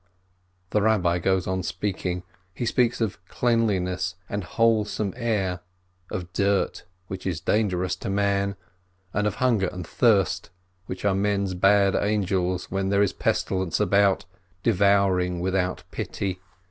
The Rabbi goes on speaking. He speaks of cleanliness and wholesome air, of dirt, which is dangerous to man, and of hunger and thirst, which are men's bad angels when there is a pestilence about, devouring without pity.